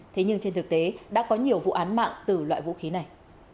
thế nhưng trên thực tế đã có nhiều vụ án mạng từ loại vũ khí này